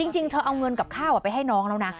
จริงเธอเอาเงินกับข้าวไปให้น้องแล้วนะ